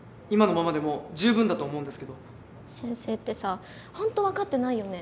先生ってさ本当分かってないよね。